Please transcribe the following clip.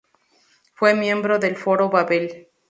Fue miembro del Foro Babel.